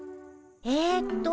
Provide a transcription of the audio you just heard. えっと